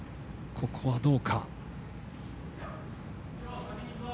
ここはどうか。